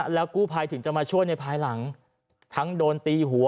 แล้วกู้ภัยถึงจะมาช่วยในภายหลังทั้งโดนตีหัว